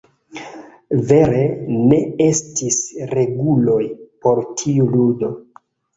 Vere ne estis reguloj por tiu ludo.